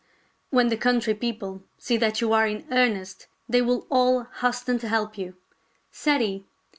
" When the country people see that you are in earnest they will all hasten to help you," said he.